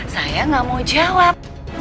saya gak mau jawab